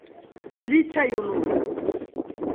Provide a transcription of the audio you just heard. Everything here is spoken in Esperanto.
Feliĉa junulo!